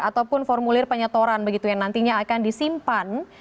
ataupun formulir penyetoran begitu yang nantinya akan disimpan